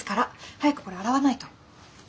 早くこれ洗わないと。